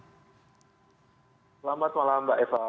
selamat malam mbak eva